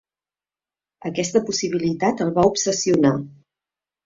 Aquesta possibilitat el va obsessionar.